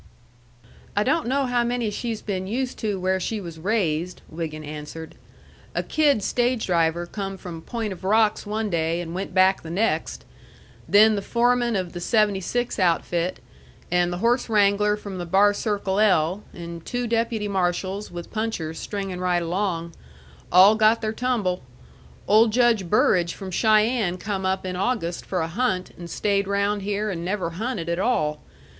"I don't know how many she's been used to where she was raised," Wiggin answered. "A kid stage driver come from Point of Rocks one day and went back the next. Then the foreman of the 76 outfit, and the horse wrangler from the Bar Circle L, and two deputy marshals, with punchers, stringin' right along, all got their tumble. Old Judge Burrage from Cheyenne come up in August for a hunt and stayed round here and never hunted at all.